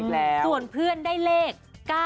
ส่วนเพื่อนได้เลข๙๙